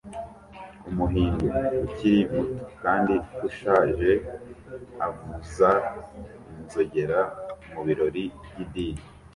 Umuhindu ukiri muto kandi ushaje avuza inzogera mu birori by'idini